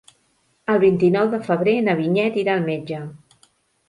El vint-i-nou de febrer na Vinyet irà al metge.